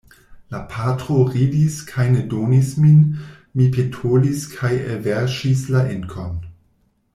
La patro ridis kaj ne donis min, mi petolis kaj elverŝis la inkon.